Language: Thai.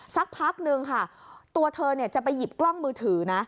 สักพักนึงค่ะตัวเธอจะไปหยิบกล้องมือถือนะ